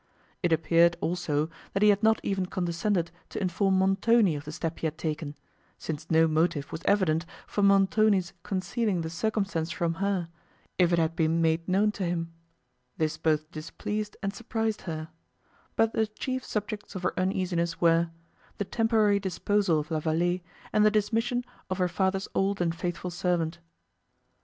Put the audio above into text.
It appeared, also, that he had not even condescended to inform Montoni of the step he had taken, since no motive was evident for Montoni's concealing the circumstance from her, if it had been made known to him: this both displeased and surprised her; but the chief subjects of her uneasiness were—the temporary disposal of La Vallée, and the dismission of her father's old and faithful servant.